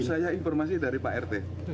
saya informasi dari pak rt